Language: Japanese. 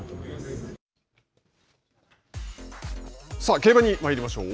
競馬にまいりましょう。